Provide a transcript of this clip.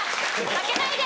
負けないで！